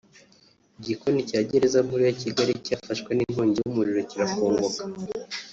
igikoni cya Gereza Nkuru ya Kigali cyafashwe n’inkongi y’umuriro kirakongoka